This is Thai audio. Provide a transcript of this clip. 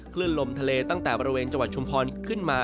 คลื่นลมทะเลตั้งแต่บริเวณจังหวัดชุมพรขึ้นมา